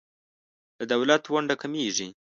د دولت ونډه کمیږي.